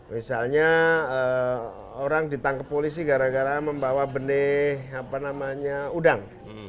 misalnya orang ditangkap polisi gara gara membawa benih udang